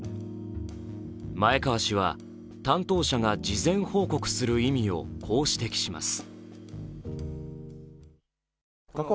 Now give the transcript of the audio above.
前川氏は担当者が事前報告する意味をこう指摘します。